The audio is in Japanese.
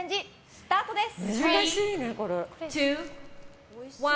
スタートです！